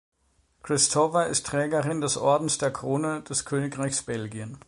Christowa ist Trägerin des Ordens der Krone des Königreichs Belgien.